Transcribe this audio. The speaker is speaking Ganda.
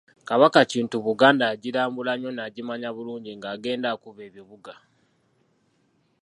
Kabaka Kintu Buganda yagirambula nnyo n'agimanya bulungi ng'agenda akuba ebibuga.